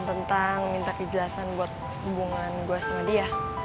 tentang minta kejelasan buat hubungan gue sama dia